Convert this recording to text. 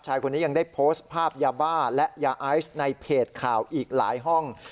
ชายคนนี้ยังได้โพสต์ภาพยาบ้าและยาไอซ์ในเพจข่าวอีกหลายห้อง